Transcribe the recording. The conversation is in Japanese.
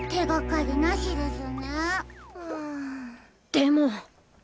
でも！